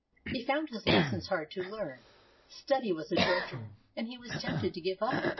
He found his lessons hard to learn. Study was a drudgery, and he was tempted to give up.